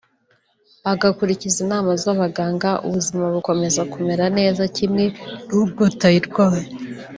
ugakurikiza inama z’abaganga ubuzima bukomeza kumera neza kimwe n’ubw’utayirwaye